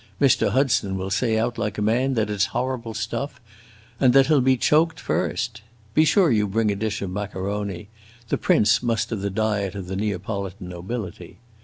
Mr. Hudson will say out like a man that it 's horrible stuff, and that he 'll be choked first! Be sure you bring a dish of maccaroni; the prince must have the diet of the Neapolitan nobility.